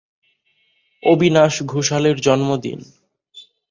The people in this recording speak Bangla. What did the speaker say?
অবিনাশ ঘোষালের জন্মদিন।